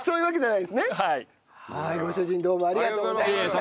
はいご主人どうもありがとうございました。